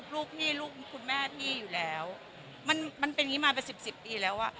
ลูกพี่ลูกคุณแม่พี่อยู่แล้วมันมันเป็นอย่างนี้มาเป็นสิบสิบปีแล้วอ่ะ